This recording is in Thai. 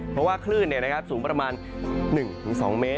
เพราะว่าคลื่นเนี่ยนะครับสูงประมาณ๑๒เมตร